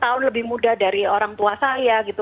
lima tahun lebih muda dari orang tua saya gitu